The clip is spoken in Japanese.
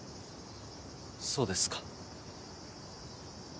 そうですか。